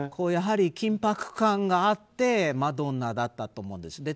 緊迫感があってマドンナだったと思うんです。